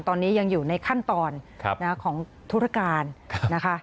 ตอนนี้ยังอยู่ในขั้นตอนของธุรการนะคะ